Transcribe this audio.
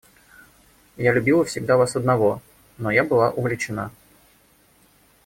Я любила всегда вас одного, но я была увлечена.